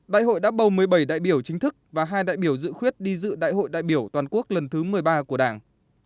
đại hội đã bầu một mươi bảy đại biểu chính thức và hai đại biểu dự khuyết đi dự đại hội đại biểu toàn quốc lần thứ một mươi ba của đảng